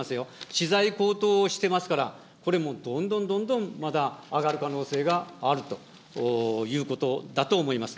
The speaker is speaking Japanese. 資材高騰してますから、これもう、どんどんどんどんまだ上がる可能性があるということだと思います。